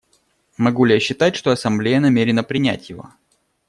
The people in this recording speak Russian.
Могу ли я считать, что Ассамблея намерена принять его?